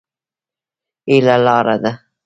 هيله لار ده.